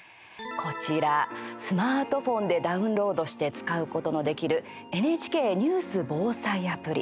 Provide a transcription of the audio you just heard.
こちら、スマートフォンでダウンロードして使うことのできるＮＨＫニュース防災アプリ。